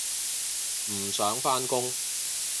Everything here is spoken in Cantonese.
唔想返工